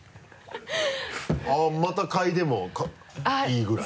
また嗅いでもいいぐらい？